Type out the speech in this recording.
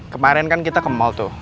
kemarin kan kita ke mall tuh